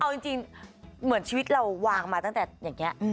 เอาจริงเหมือนชีวิตเราวางมาตั้งแต่อย่างนี้